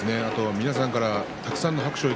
皆さんからたくさんの拍手を